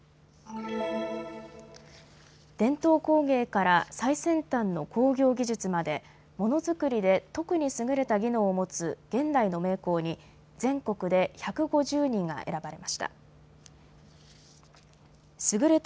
伝統工芸から最先端の工業技術までものづくりで特に優れた技能を持つ現代の名工に全国で１５０人が選ばれました。